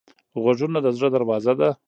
غوږونه د زړه دروازه ده